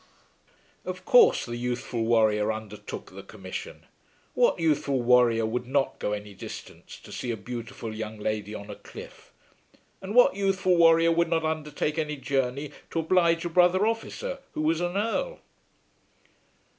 Of course the youthful warrior undertook the commission. What youthful warrior would not go any distance to see a beautiful young lady on a cliff, and what youthful warrior would not undertake any journey to oblige a brother officer who was an Earl?